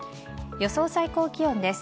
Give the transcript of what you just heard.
予想最高気温です。